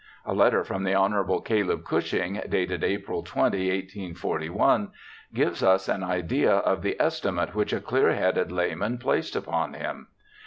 A letter from the Hon. Caleb Cushing, dated April 20, 1841, gives us an idea of the estimate which a clear headed la3'man placed upon him.